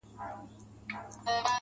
د انتظار خبري ډيري ښې دي.